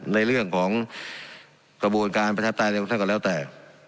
ในเรื่องของกระบวนการประชับไตล์ในวงศักดิ์ก่อนแล้วแต่